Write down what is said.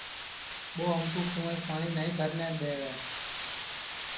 ٻو ہمکُو کُونٚویس پاٹؔی نائی بھرن دے وے